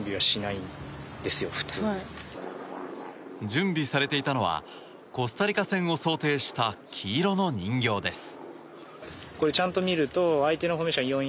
準備されていたのはコスタリカ戦を想定した黄色の人形です。